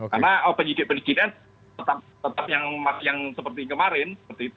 karena penyidik penyidiknya tetap yang seperti kemarin